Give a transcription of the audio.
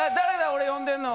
俺呼んでるの」。